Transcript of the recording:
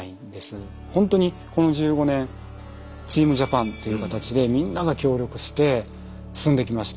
本当にこの１５年チームジャパンという形でみんなが協力して進んできました。